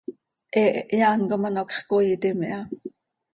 He hehe án com ano hacx coiitim iha.